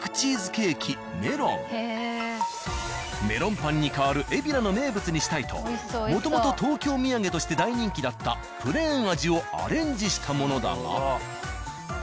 メロンパンに代わる海老名の名物にしたいともともと東京土産として大人気だったプレーン味をアレンジしたものだが。